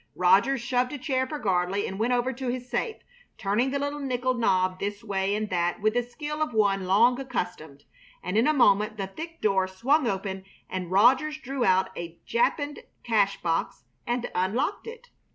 Rogers shoved a chair for Gardley and went over to his safe, turning the little nickel knob this way and that with the skill of one long accustomed, and in a moment the thick door swung open and Rogers drew out a japanned cash box and unlocked it.